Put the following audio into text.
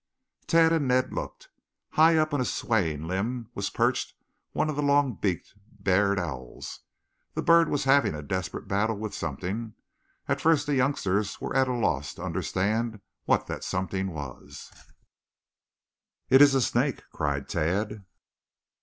Tad and Ned looked. High up on a swaying limb was perched one of the long beaked barred owls. The bird was having a desperate battle with something. At first the youngsters were at a loss to understand what that something was. "It is a snake!" cried Tad.